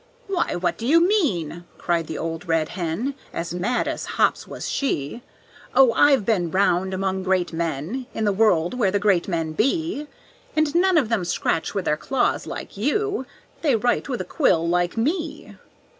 "Why, what do you mean?" cried the old red hen, As mad as hops was she. "Oh, I've been 'round among great men, In the world where the great men be. And none of them scratch with their claws like you, They write with a quill like me."